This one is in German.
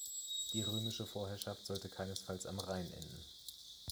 Die römische Vorherrschaft sollte keinesfalls am Rhein enden.